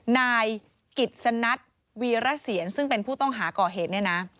นายกิจสนัทวีรเสียนซึ่งเป็นผู้ต้องหาก่อเหตุเนี่ยนะ